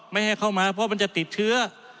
ไม่ให้เข้ามาเพราะมันจะติดเชื้อ